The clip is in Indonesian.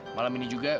malam ini juga